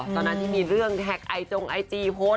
ตอนนั้นที่มีเรื่องแท็กไอจงไอจีโพสต์